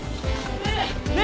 ねえねえ！